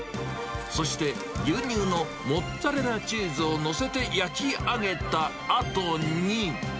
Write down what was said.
そして牛乳のモッツァレラチーズを載せて焼き上げたあとに。